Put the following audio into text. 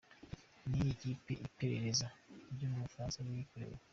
Ni iki iperereza ryo mu Bufaransa riri kureba?.